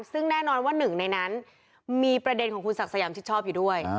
ซึ่งแน่นอนว่าหนึ่งในนั้นมีประเด็นของคุณศักดิ์สยามชิดชอบอยู่ด้วย